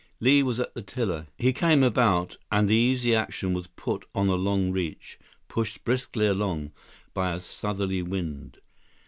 Li was at the tiller. He came about, and the Easy Action was put on a long reach, pushed briskly along by a southerly wind.